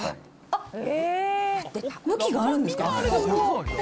あっ、向きがあるんですか？